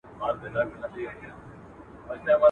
تا غرڅه غوندي اوتر اوتر کتلای!